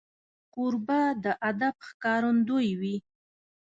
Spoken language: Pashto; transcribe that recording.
کوربه د ادب ښکارندوی وي.